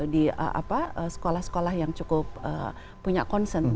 di sekolah sekolah yang cukup punya concern